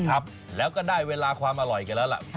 ครับแล้วก็ได้เวลาความอร่อยกันแล้วล่ะ